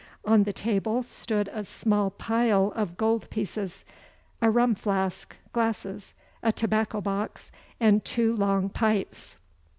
On the table stood a small pile of gold pieces, a rum flask, glasses, a tobacco box, and two long pipes.